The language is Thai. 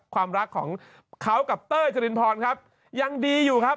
ความรักของเขากับเต้ยจรินพรครับยังดีอยู่ครับ